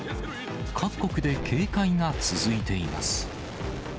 各国で警戒が続いています。